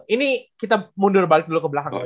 ini kita mundur balik dulu ke belakang